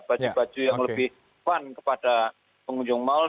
baju baju yang lebih fun kepada pengunjung mal